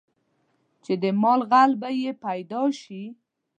چې د مال غل به یې پیدا شي.